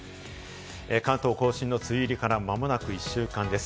関東甲信の梅雨入りから間もなく１週間です。